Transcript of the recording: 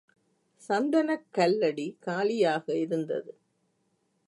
சந்தனக் கல்லடி காலியாக இருந்தது.